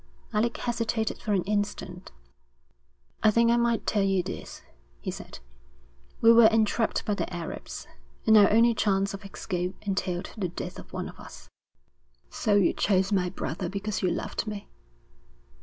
Alec hesitated for an instant. 'I think I might tell you this,' he said. 'We were entrapped by the Arabs, and our only chance of escape entailed the death of one of us.' 'So you chose my brother because you loved me.'